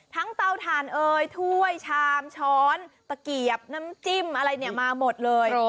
เตาถ่านเอ่ยถ้วยชามช้อนตะเกียบน้ำจิ้มอะไรเนี่ยมาหมดเลย